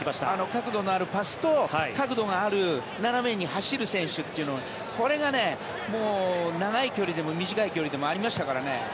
角度のあるパスと角度のある斜めに走る選手というのがこれが長い距離でも短い距離でもありましたからね。